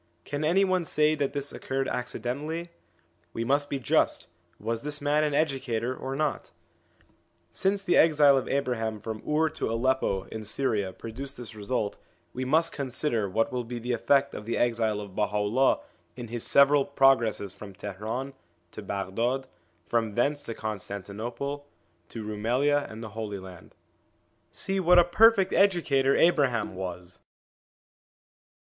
Can any one say that this occurred ac cidentally ? We must be just : was this man an educator or not ? Since the exile of Abraham from Ur to Aleppo in 1 The Bab's descent was from Muhammad. 16 SOME ANSWERED QUESTIONS Syria produced this result, we must consider what will be the effect of the exile of Baha'u'llah in his several progresses from Tihran to Baghdad, from thence to Constantinople, to Roumelia, and the Holy Land. See what a perfect educator Abraham was